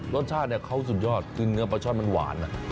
รสชาติเขาสุดยอดคือเนื้อปลาช่อนมันหวาน